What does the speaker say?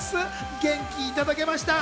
元気いただきました。